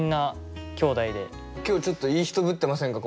今日ちょっといい人ぶってませんか？